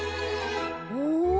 お！